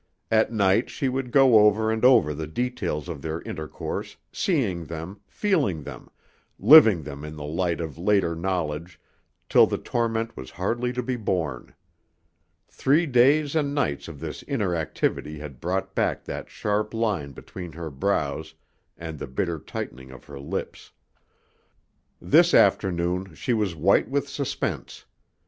At night she would go over and over the details of their intercourse, seeing them, feeling them, living them in the light of later knowledge, till the torment was hardly to be borne. Three days and nights of this inner activity had brought back that sharp line between her brows and the bitter tightening of her lips. This afternoon she was white with suspense.